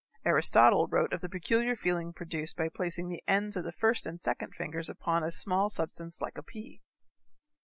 Aristotle wrote of the peculiar feeling produced by placing the ends of the first and second fingers upon a small substance like a pea.